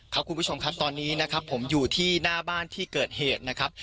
คุณผู้ชมครับตอนนี้นะครับผมอยู่ที่หน้าบ้านที่เกิดเหตุนะครับ